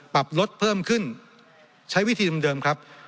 ปรับลดเพิ่มขึ้นใช้วิธีเดิมครับ